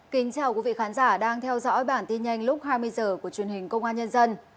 kính chào quý vị khán giả đang theo dõi bản tin nhanh lúc hai mươi h của truyền hình công an nhân dân